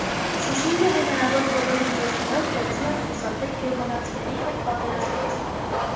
Շուշինգը հնարավոր բոլոր միջոցներով փորձում էր խուսափել գերմանացիների հետ պատերազմից։